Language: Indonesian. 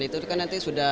itu kan nanti sudah